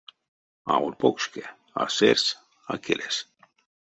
Аволь покшке — а сэрьс, а келес.